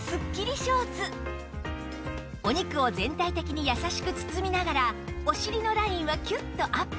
お肉を全体的に優しく包みながらお尻のラインはキュッとアップ